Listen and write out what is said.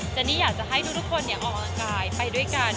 เจนนี่อยากจะให้ทุกทุกคนเนี้ยออกกำลังกายไปด้วยกัน